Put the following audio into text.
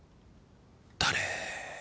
誰。